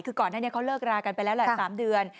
คือก่อนหน้านี้เขาเลิกรากันไปแล้วแหละ๓เดือน